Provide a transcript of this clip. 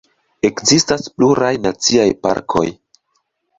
Ekzistas pluraj naciaj parkoj.